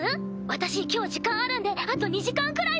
私今日時間あるんであと２時間くらいは。